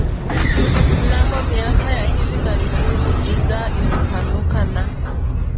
Mnamo miaka ya hivi karibuni idhaa imepanuka na